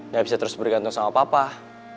gak bisa terus bergantung sama papa